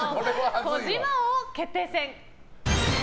児嶋王決定戦。